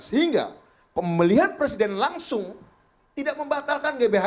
sehingga pembelian presiden langsung tidak membatalkan gbhn